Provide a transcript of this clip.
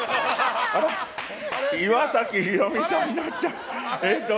岩崎宏美さんになっちゃった。